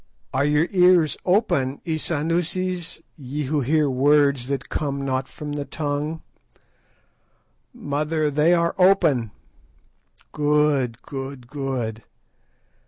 _ Are your ears open, Isanusis, ye who hear words that come not from the tongue?" "Mother, they are open." "_Good! good! good!